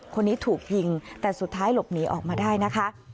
คนนี้ถูกยิงแต่สุดท้ายหลบหนีออกมาได้นะคะ